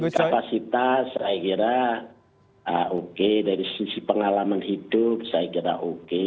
kapasitas saya kira oke dari sisi pengalaman hidup saya kira oke